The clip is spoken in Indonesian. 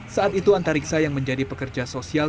saat itu anta riksa yang menjadi pekerja sosial